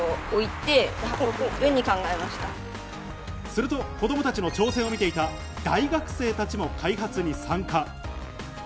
すると子供たちの挑戦を見ていた大学生たちも開発に参加。